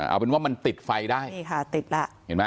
เอาเป็นว่ามันติดไฟได้นี่ค่ะติดล่ะ